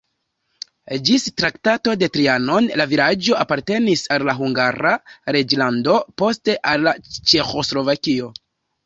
Ĝis Traktato de Trianon la vilaĝo apartenis al Hungara reĝlando, poste al Ĉeĥoslovakio.